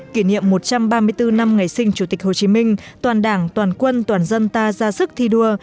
kỷ niệm một trăm ba mươi bốn năm ngày sinh chủ tịch hồ chí minh toàn đảng toàn quân toàn dân ta ra sức thi đua